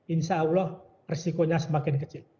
insya allah risikonya semakin kecil